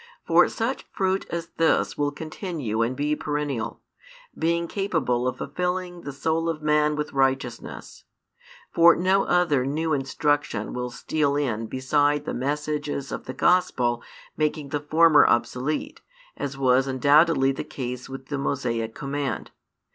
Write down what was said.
For such fruit as this will continue and be perennial, being capable of fulfilling the soul of man with righteousness. For no other new instruction will steal in beside the messages of the Gospel making |411 the former obsolete, as was undoubtedly the ease with the Mosaic command.